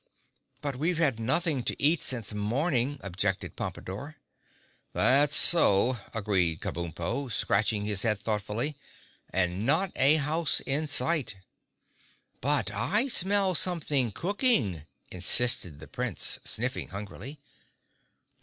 "But we've had nothing to eat since morning," objected Pompadore. "That's so," agreed Kabumpo, scratching his head thoughtfully, "and not a house in sight!" "But I smell something cooking," insisted the Prince, sniffing hungrily.